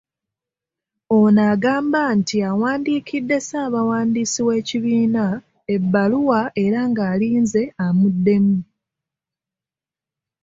Ono agamba nti awandiikidde Ssaabawandiisi w'ekibiina ebbaluwa era ng'alinze amuddemu